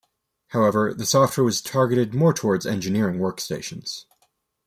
However, the software was targeted more towards engineering workstations.